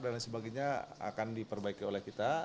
lain sebagainya akan diperbaiki oleh kita